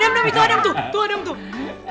eh adam itu adam tuh